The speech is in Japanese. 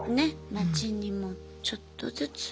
街にもちょっとずつ。